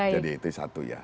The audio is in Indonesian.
jadi itu satu ya